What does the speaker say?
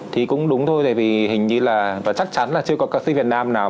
thì cũng đúng thôi vì hình như là chắc chắn là chưa có ca sĩ việt nam nào